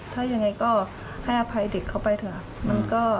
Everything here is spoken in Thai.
ถ้ายังไงก็ให้อภัยเด็กเข้าไปเถอะครับ